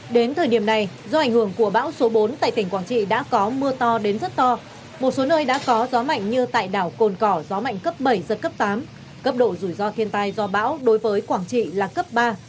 đến thời điểm này do ảnh hưởng của bão số bốn tại tỉnh quảng trị đã có mưa to đến rất to một số nơi đã có gió mạnh như tại đảo cồn cỏ gió mạnh cấp bảy giật cấp tám cấp độ rủi ro thiên tai do bão đối với quảng trị là cấp ba